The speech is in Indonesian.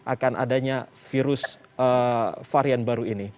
akan adanya virus varian baru ini